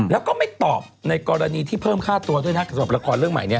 แล้วก็ไม่ตอบในกรณีที่เพิ่มค่าตัวด้วยนะสำหรับละครเรื่องใหม่นี้